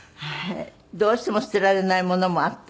どうしても捨てられないものもあった？